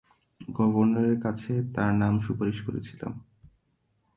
গভর্নরের কাছে তাদের নাম সুপারিশ করেছিলাম।